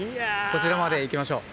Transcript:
こちらまで行きましょう。